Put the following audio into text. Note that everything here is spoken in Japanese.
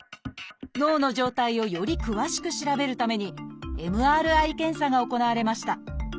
脳の状態をより詳しく調べるためにＭＲＩ検査が行われました。